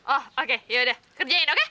oh oke yaudah kerjain oke